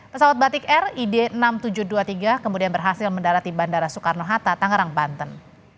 pesawat batik rid enam ribu tujuh ratus dua puluh tiga kemudian berhasil mendarat di bandara soekarno hatta tangerang banten